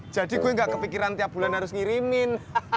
jadi gue nggak kepikiran tiap bulan harus ngirimin